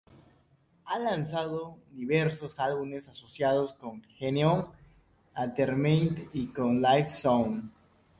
Ha lanzado diversos álbumes asociados con Geneon Entertainment y con I've Sound.